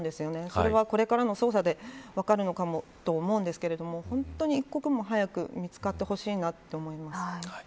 それは、これからの捜査で分かるのかなとも思うんですけど本当に一刻も早く見つかってほしいと思います。